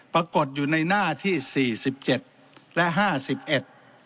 ปรากฏอยู่ในหน้าที่สี่สิบเจ็ดและห้าสิบเอ็ด